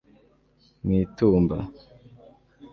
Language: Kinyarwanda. mu itumba